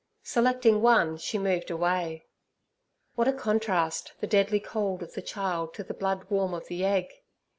Selecting one, she moved away. What a contrast, the deadly cold of the child to the blood warmth of the egg!